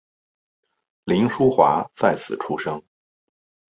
凌叔华在此出生。